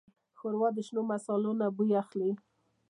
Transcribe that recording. ښوروا د شنو مصالو نه بوی اخلي.